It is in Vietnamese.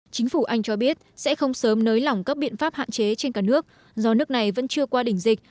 chính phủ anh cho biết sẽ không sớm nới lỏng các biện pháp hạn chế trên cả nước do nước này vẫn chưa qua đỉnh dịch